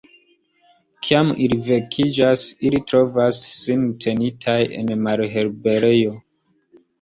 Kiam ili vekiĝas, ili trovas sin tenitaj en malliberejo.